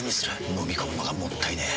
のみ込むのがもったいねえ。